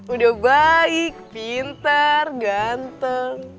udah baik pintar ganteng